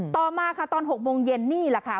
ต่อมาค่ะตอน๖โมงเย็นนี่แหละค่ะ